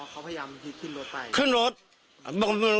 อ๋อเขาพยายามขึ้นรถไป